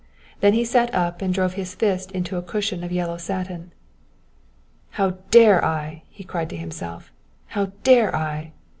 Then he sat up and drove his fist into a cushion of yellow satin. "How dare I!" he cried to himself, "how dare I!